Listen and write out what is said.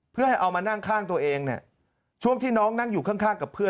เพื่อให้เอามานั่งข้างตัวเองเนี่ยช่วงที่น้องนั่งอยู่ข้างกับเพื่อน